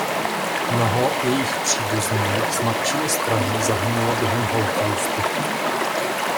Mnoho jejích příbuzných z matčiny strany zahynulo během Holokaustu.